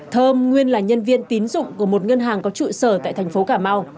thơm nguyên là nhân viên tín dụng của một ngân hàng có trụ sở tại thành phố cà mau